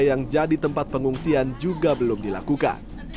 yang jadi tempat pengungsian juga belum dilakukan